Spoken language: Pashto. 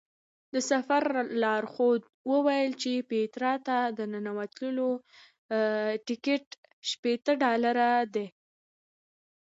د سفر لارښود وویل چې پیترا ته د ننوتلو ټکټ شپېته ډالره دی.